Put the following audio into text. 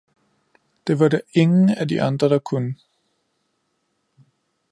Det var der ingen af de andre der kunne.